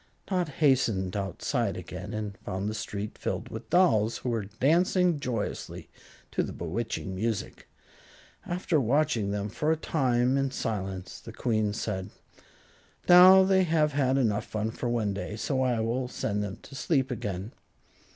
Dot hastened outside again and found the street filled with dolls, who were dancing joyously to the bewitching music. After watching them for a time in silence the Queen said: "Now they have had enough fun for one day, so I will send them to sleep again."